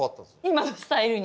今のスタイルに？